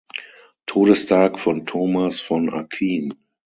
Todestag von Thomas von Aquin.